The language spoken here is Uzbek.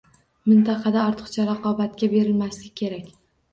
Mintaqada ortiqcha raqobatga berilmaslik kerak.